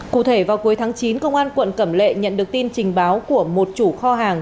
cụ thể vào cuối tháng chín công an quận cẩm lệ nhận được tin trình báo của một chủ kho hàng